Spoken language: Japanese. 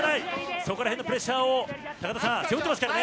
そこら辺のプレッシャーを高田さん、背負ってますからね。